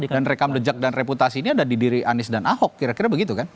dan rekam jejak dan reputasi ini ada di diri anies dan ahok kira kira begitu kan